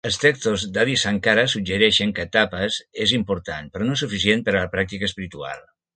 Els textos d"Adi Sankara suggereixen que "Tapas" és important, però no suficient per a la pràctica espiritual.